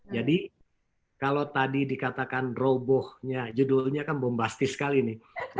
jadi kalau tadi dikatakan robohnya judulnya kan bombastis kali ini